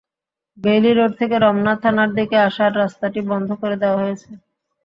Bailey road থেকে রমনা থানার দিকে আসার রাস্তাটি বন্ধ করে দেওয়া হয়েছে।